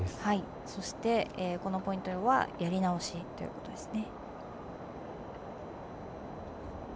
そしてこのポイントはやり直しということですね。